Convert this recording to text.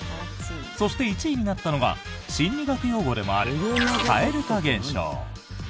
そして、１位になったのが心理学用語でもある、蛙化現象。